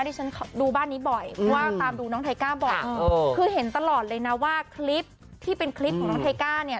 ที่ฉันดูบ้านนี้บ่อยเพราะว่าตามดูน้องไทก้าบ่อยคือเห็นตลอดเลยนะว่าคลิปที่เป็นคลิปของน้องไทก้าเนี่ย